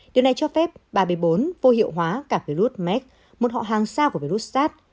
điều này cho phép ba b bốn vô hiệu hóa cả virus mek một họ hàng xa của virus sars